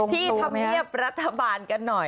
ที่ธรรมเนียบรัฐบาลกันหน่อย